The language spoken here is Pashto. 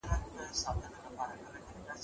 ګرمي ورکړئ.